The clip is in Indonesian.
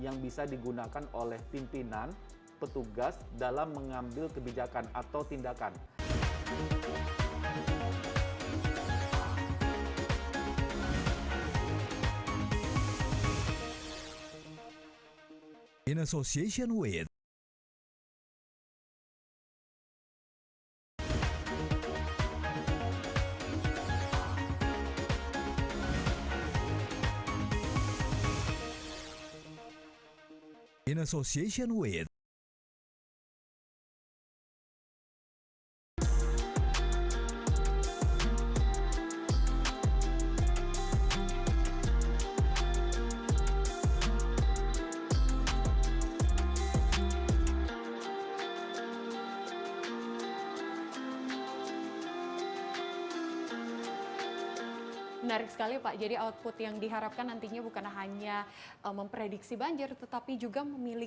nggak sampai sini aja